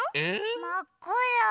まっくら。